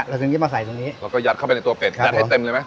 ถึงจะมาใส่ตรงนี้แล้วก็ยัดเข้าไปในตัวเป็ดยัดให้เต็มเลยไหม